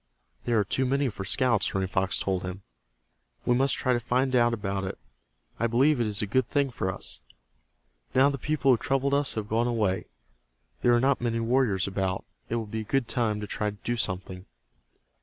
"There are too many for scouts," Running Fox told him. "We must try to find out about it I believe it is a good thing for us. Now the people who troubled us have gone away. There are not many warriors about. It will be a good time to try to do something."